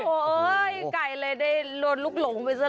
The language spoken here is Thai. เฮ้ยไก่เลยได้โดนลุกหลงไปซะเลย